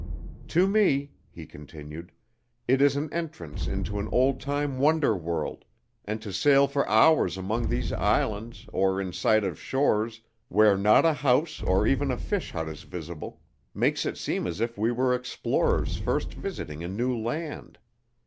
"To me," he continued, "it is an entrance into an old time wonder world, and to sail for hours among these islands or in sight of shores where not a house or even a fish hut is visible, makes it seem as if we were explorers first visiting a new land.